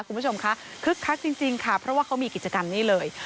คุณผู้ชมคะคึกคักจริงค่ะเพราะว่าเขามีกิจกรรมนี้เลย